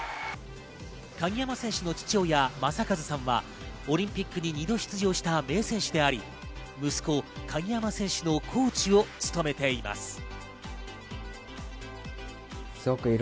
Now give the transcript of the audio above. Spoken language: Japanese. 鍵山選手の父親・正和さんはオリンピックに２度出場した名選手であり、息子・鍵山選手のコーチを務めています。